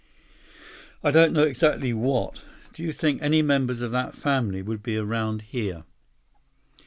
I don't know exactly what. Do you think any members of that family would be around here?"